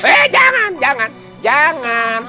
eh jangan jangan